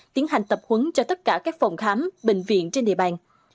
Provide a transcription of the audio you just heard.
tiến hành tập huấn cho tất cả các phòng khám bệnh viện trên địa bàn